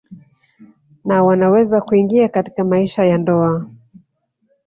Na wanaweza kuingia katika maisha ya ndoa